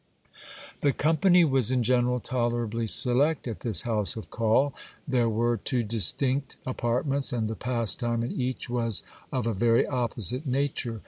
The company was in general tolerably select at this house of call. There were two distinct apartments ; and the pastime in each was of a very opposite nature.